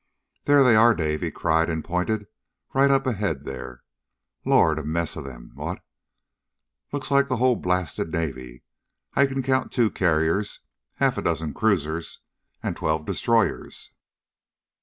"There they are, Dave!" he cried, and pointed. "Right up ahead, there. Lord! A mess of them, what? Looks like the whole blasted Navy. I can count two carriers, half a dozen cruisers, and twelve destroyers!"